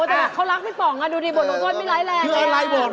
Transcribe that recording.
โอ๊ยแต่เขารักพี่ป๋องดูดิบทลงโทษไม่ไร้แรง